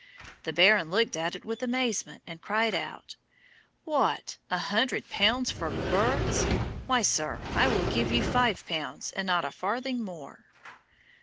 The Baron looked at it with amazement, and cried out, 'What, a hundred pounds for birds! Why, sir, I will give you five pounds and not a farthing more!'